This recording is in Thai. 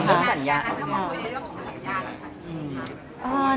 อันนั้นก็มาคุยในเรื่องของสัญญานะคะ